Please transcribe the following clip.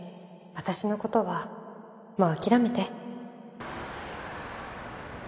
私の事はもう諦めて。